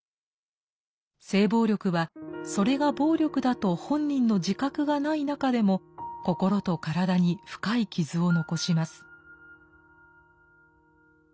性暴力はそれが暴力だと本人の自覚がない中でも心と体に深い傷を残します。